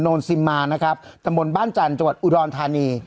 นซิมมานะครับตะมนต์บ้านจันทร์จังหวัดอุดรธานี